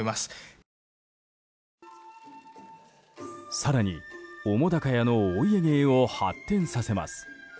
更に、澤瀉屋のお家芸を発展させます。